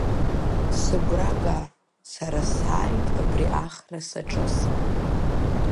Сыгәра га, сара сааит абри ахра саҿысны.